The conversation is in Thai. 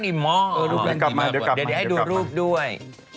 เดี๋ยวให้ดูดูด้วย